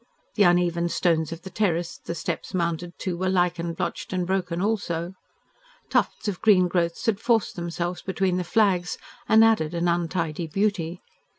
The uneven stones of the terrace the steps mounted to were lichen blotched and broken also. Tufts of green growths had forced themselves between the flags, and added an untidy beauty.